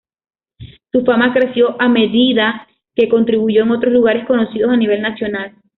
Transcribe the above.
Su fama creció a medida que contribuyó en otros lugares conocidos a nivel nacional.